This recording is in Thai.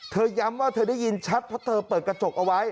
ย้ำว่าเธอได้ยินชัดเพราะเธอเปิดกระจกเอาไว้